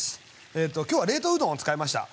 えと今日は冷凍うどんを使いました。